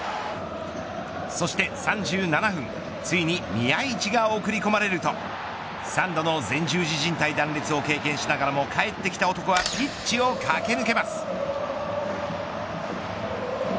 そして３７分ついに宮市が送り込まれると３度の前十字靭帯断裂を経験しながらも帰ってきた男はピッチを駆け抜けます。